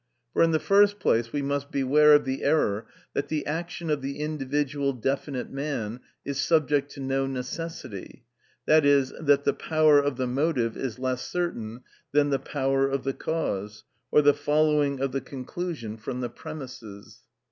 For, in the first place, we must beware of the error that the action of the individual definite man is subject to no necessity, i.e., that the power of the motive is less certain than the power of the cause, or the following of the conclusion from the premises.